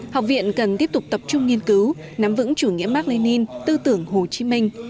học viện cần tiếp tục tập trung nghiên cứu nắm vững chủ nghĩa mark lenin tư tưởng hồ chí minh